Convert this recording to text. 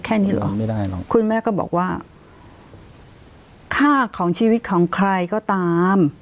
ไม่ได้หรอกคุณแม่ก็บอกว่าค่าของชีวิตของใครก็ตาม